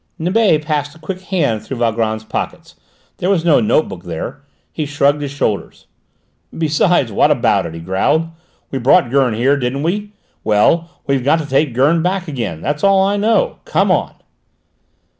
Nibet passed a quick hand through Valgrand's pockets; there was no note book there. He shrugged his shoulders. "Besides, what about it?" he growled. "We brought Gurn here, didn't we? Well, we've got to take Gurn back again. That's all I know. Come on!"